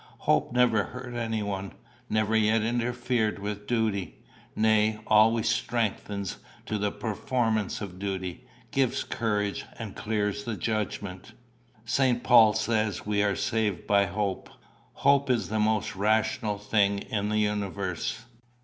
Hope never hurt anyone, never yet interfered with duty; nay, always strengthens to the performance of duty, gives courage, and clears the judgment. St. Paul says we are saved by hope. Hope is the most rational thing in the universe.